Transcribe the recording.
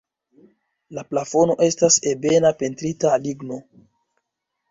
La plafono estas ebena pentrita ligno.